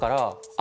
あ！